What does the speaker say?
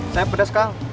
saya pedas kak